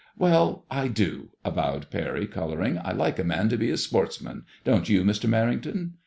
"Well, I do/' avowed Parry, colouring ;I like a man to be a sportsman, don't you, Mr. Merrington